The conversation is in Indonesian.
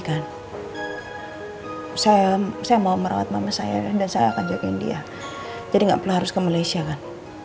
kan saya saya mau merawat mama saya dan saya akan jaga india jadi nggak harus ke malaysia kan